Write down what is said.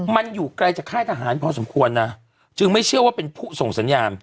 มันอยู่ไกลจากค่ายทหารพอสมควรนะจึงไม่เชื่อว่าเป็นผู้ส่งสัญญาณ